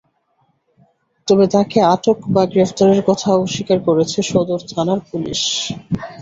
তবে তাঁকে আটক বা গ্রেপ্তারের কথা অস্বীকার করেছে সদর থানার পুলিশ।